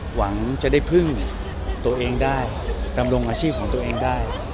หวังจะได้พึ่งตัวเองได้ดำรงอาชีพของตัวเองได้